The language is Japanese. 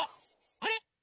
あれ？